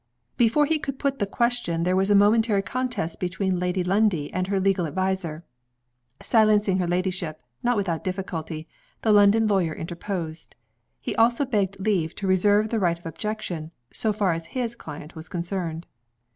Before he could put the question there was a momentary contest between Lady Lundie and her legal adviser. Silencing her ladyship (not without difficulty), the London lawyer interposed. He also begged leave to reserve the right of objection, so far as his client was concerned.